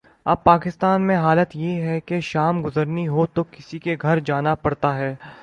اب پاکستان میں حالت یہ ہے کہ شام گزارنی ہو تو کسی کے گھر جانا پڑتا ہے۔